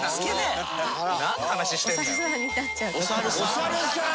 お猿さん！？